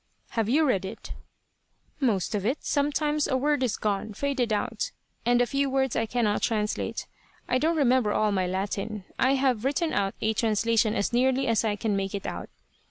"Have you read it?" "Most of it. Sometimes a word is gone faded out; and a few words I cannot translate; I don't remember all my Latin. I have written out a translation as nearly as I can make it out."